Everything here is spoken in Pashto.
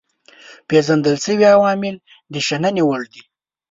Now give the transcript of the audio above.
پيژندل شوي عوامل د شنني وړ دي.